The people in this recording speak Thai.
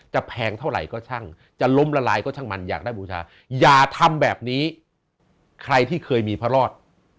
แพงเท่าไหร่ก็ช่างจะล้มละลายก็ช่างมันอยากได้บูชาอย่าทำแบบนี้ใครที่เคยมีพระรอด